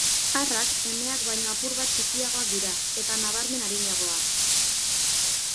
Arrak emeak baino apur bat txikiagoak dira eta nabarmen arinagoak.